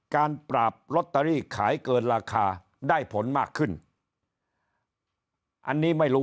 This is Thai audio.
การปราบลอตเตอรี่ขายเกินราคาได้ผลมากขึ้นอันนี้ไม่รู้